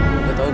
gue tau gak